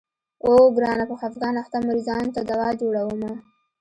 اوو ګرانه په خفګان اخته مريضانو ته دوا جوړومه.